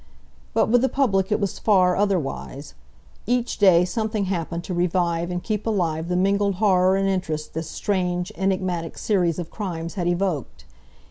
But with the public it was far otherwise. Each day something happened to revive and keep alive the mingled horror and interest this strange, enigmatic series of crimes had evoked.